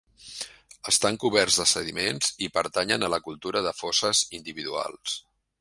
Estan coberts de sediments i pertanyen a la Cultura de fosses individuals.